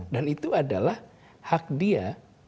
dan itu adalah hak dia